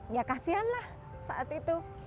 ya kasihanlah saat itu